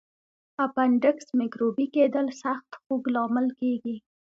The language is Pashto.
د اپنډکس میکروبي کېدل سخت خوږ لامل کېږي.